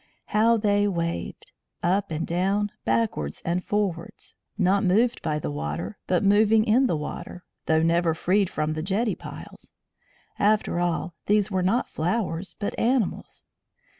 How they waved! Up and down, backwards and forwards. Not moved by the water, but moving in the water, though never freed from the jetty piles. After all, these were not flowers, but animals.